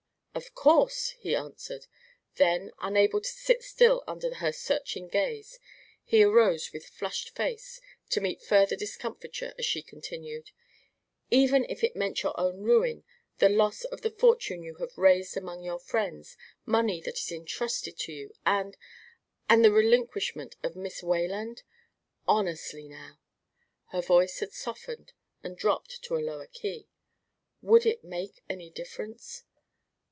"Of course," he answered. Then, unable to sit still under her searching gaze, he arose with flushed face, to meet further discomfiture as she continued: "Even if it meant your own ruin, the loss of the fortune you have raised among your friends money that is entrusted to you and and the relinquishment of Miss Wayland? Honestly, now" her voice had softened and dropped to a lower key "would it make any difference?"